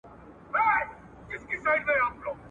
ټپیانو ته یې پاملرنه وکړه